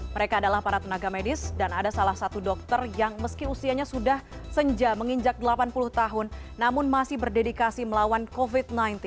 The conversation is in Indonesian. mereka adalah para tenaga medis dan ada salah satu dokter yang meski usianya sudah senja menginjak delapan puluh tahun namun masih berdedikasi melawan covid sembilan belas